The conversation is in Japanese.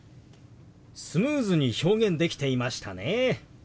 スムーズに表現できていましたね。